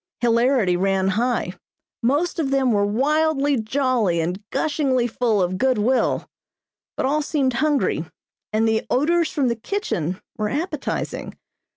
Hilarity ran high. Most of them were wildly jolly and gushingly full of good will; but all seemed hungry, and the odors from the kitchen were appetizing.